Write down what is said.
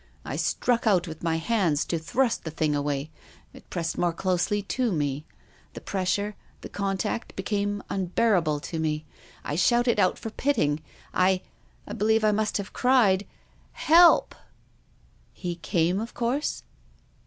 I struck out with my hands to thrust the thing away. It pressed more closely to me. The pressure, the contact became unbearable to me. I shouted out for Pitting. I — I believe I must have cried —* Help.' "" He came, of course?